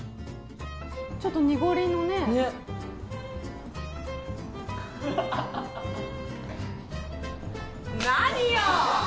ちょっと濁りのねねっ何よ！